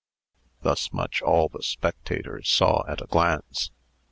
Thus much all the spectators saw at a glance.